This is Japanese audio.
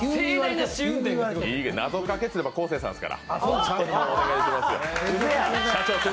謎かけといったら昴生さんですから。